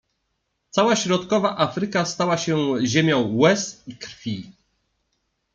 Cała środkowa Afryka stała się ziemią łez i krwi.